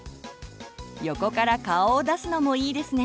横から顔を出すのもいいですね。